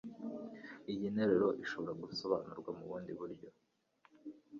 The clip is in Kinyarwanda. Iyi nteruro irashobora gusobanurwa mubundi buryo